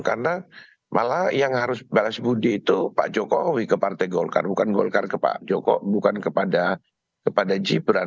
karena malah yang harus balas budi itu pak jokowi ke partai golkar bukan golkar ke pak jokowi bukan kepada gibran